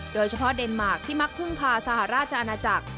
โดยเฉพาะเดนมาร์คที่มักพึ่งพาสหราชอาณาจักร